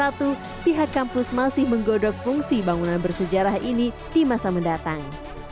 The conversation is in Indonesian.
pertama di tahun dua ribu dua puluh satu pihak kampus masih menggodok fungsi bangunan bersejarah ini di masa mendatang